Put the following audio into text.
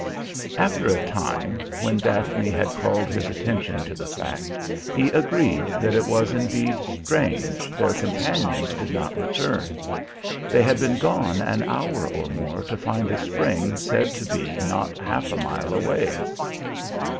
After a time, when Daphne had called his attention to the fact, he agreed that it was indeed strange their companions did not return; they had been gone an hour or more to find a spring said to be not half a mile away.